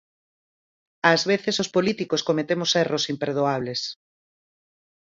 Ás veces os políticos cometemos erros imperdoables.